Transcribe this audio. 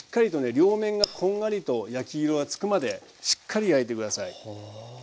両面がこんがりと焼き色がつくまでしっかり焼いて下さい。